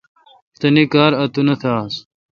تانی کار اتونتھ آس۔